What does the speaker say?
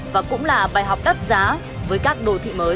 và cũng là bài học đắt giá với các đô thị mới